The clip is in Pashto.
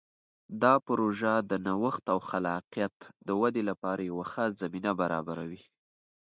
دا پروژه د نوښت او خلاقیت د ودې لپاره یوه ښه زمینه برابروي.